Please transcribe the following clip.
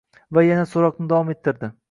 va yana so‘roqni davom ettirdi: